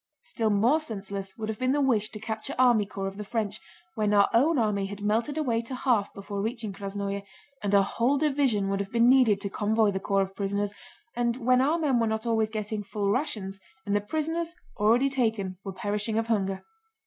Still more senseless would have been the wish to capture army corps of the French, when our own army had melted away to half before reaching Krásnoe and a whole division would have been needed to convoy the corps of prisoners, and when our men were not always getting full rations and the prisoners already taken were perishing of hunger.